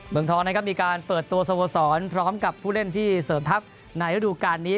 เมืองทองนะครับมีการเปิดตัวสโมสรพร้อมกับผู้เล่นที่เสริมทัพในฤดูการนี้